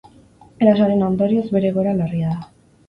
Erasoaren ondorioz, bere egoera larria da.